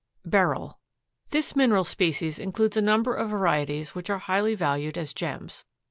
BERYL. This mineral species includes a number of varieties which are highly valued as gems.